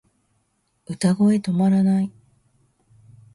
歌声止まらない